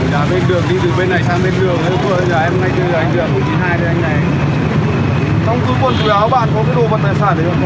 đi từ bên này sang bên đường